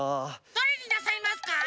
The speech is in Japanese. どれになさいますか？